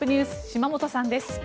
島本さんです。